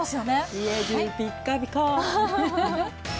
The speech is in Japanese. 家中ピッカピカ！